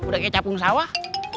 udah kayak capung sawah